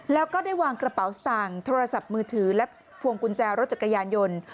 แล้วก็ได้วางกระเป๋าสตางค์โทรศัพท์มือถือและพวงกุญแจรถจักรยานยนต์